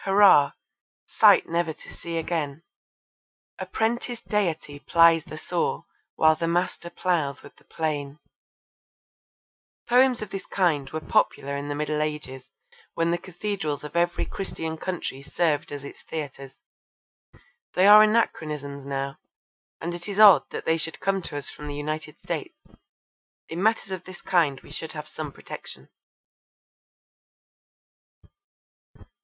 Hurra! Sight never to see again, A prentice Deity plies the saw, While the Master ploughs with the plane. Poems of this kind were popular in the Middle Ages when the cathedrals of every Christian country served as its theatres. They are anachronisms now, and it is odd that they should come to us from the United States. In matters of this kind we should have some protection.